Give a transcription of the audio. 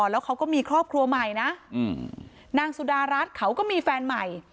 แล้วเขาก็มีครอบครัวใหม่นะนางสุดารัฐเขาก็มีแฟนใหม่